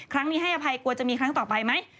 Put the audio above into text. ครั้งนี้ให้อภัยกลัวจะมีครั้งต่อไปไหม